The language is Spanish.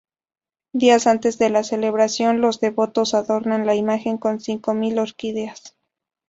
Días antes de la celebración, los devotos adornan la imagen con cinco mil orquídeas.